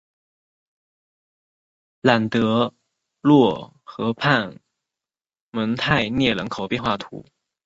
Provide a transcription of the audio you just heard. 朗德洛河畔蒙泰涅人口变化图示